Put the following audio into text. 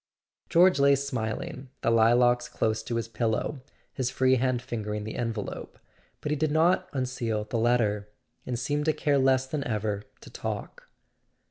George lay smiling, the lilacs close to his pillow, his free hand fingering the envelope; but he did not unseal the letter, and seemed to care less than ever to talk.